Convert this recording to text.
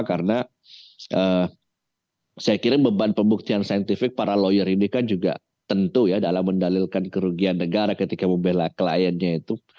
karena saya kira beban pembuktian saintifik para lawyer ini kan juga tentu ya dalam mendalilkan kerugian negara ketika membela kliennya itu